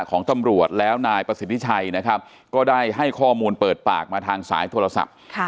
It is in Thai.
ของตำรวจแล้วนายประสิทธิชัยนะครับก็ได้ให้ข้อมูลเปิดปากมาทางสายโทรศัพท์